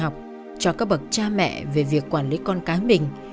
học cho các bậc cha mẹ về việc quản lý con cái mình